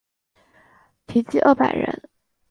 缇骑二百人。